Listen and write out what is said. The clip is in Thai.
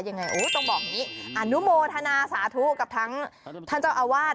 อย่างไรต้องบอกนี้อนุโมธนาสาธุกับทั้งท่านเจ้าอาวาส